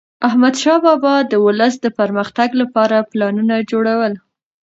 احمدشاه بابا به د ولس د پرمختګ لپاره پلانونه جوړول.